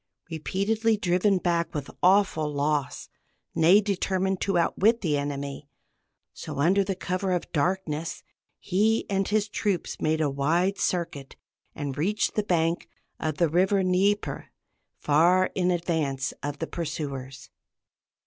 Repeatedly driven back with awful loss, Ney determined to outwit the enemy; so, under cover of darkness, he and his troops made a wide circuit, and reached the bank of the river Dnieper far in advance of the pursuers.